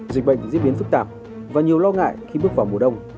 dịch bệnh diễn biến phức tạp và nhiều lo ngại khi bước vào mùa đông